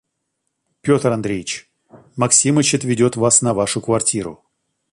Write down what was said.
Петр Андреич, Максимыч отведет вас на вашу квартиру.